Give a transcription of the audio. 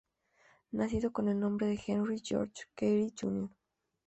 Nacido con el nombre de Henry George Carey, Jr.